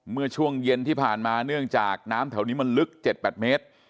เมื่อช่วงเย็นที่ผ่านมาเนื่องจากน้ำแถวนี้มันลึก๗๘เมตร